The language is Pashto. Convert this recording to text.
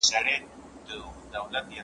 زه کتابتون ته نه راځم!!